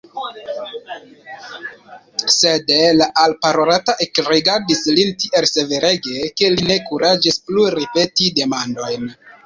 Sed la alparolata ekrigardis lin tiel severege, ke li ne kuraĝis plu ripeti demandojn.